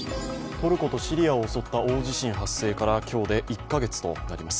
トルコとシリアを襲った大地震発生から今日で１か月となります。